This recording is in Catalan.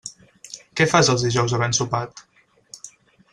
Què fas els dijous havent sopat?